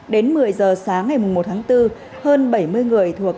đến một mươi giờ sáng ngày một bốn hơn bảy mươi người thuộc các lực lượng đã nỗ lực